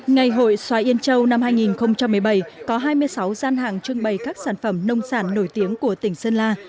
ngày hội xoài yên châu năm hai nghìn một mươi bảy có hai mươi sáu gian hàng trưng bày các sản phẩm nông sản nổi tiếng của tỉnh sơn la